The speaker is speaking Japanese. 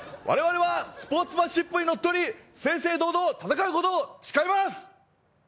我々はスポーツマンシップにのっとり正々堂々戦うことを誓います！